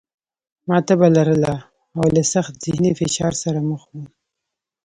ما تبه لرله او له سخت ذهني فشار سره مخ وم